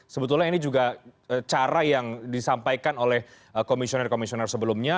sebetulnya ini juga cara yang disampaikan oleh komisioner komisioner sebelumnya